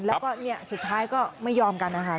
แล้วก็เนี่ยสุดท้ายก็ไม่ยอมกันนะคะ